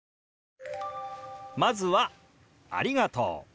まずは「ありがとう」。